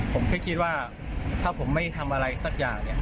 ผมแค่คิดว่าถ้าผมไม่ทำอะไรสักอย่างเนี่ย